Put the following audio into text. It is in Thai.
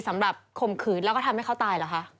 สำหรับขมขืนแล้วก็ทำให้เขาตายหรือคะ